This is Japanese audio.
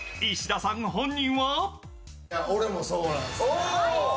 俺もそうなんですよ。